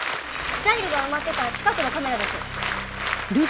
ザイルが埋まってた近くのカメラです。